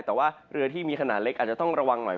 แต่ว่าเรือที่มีขนาดเล็กอาจจะต้องระวังหน่อย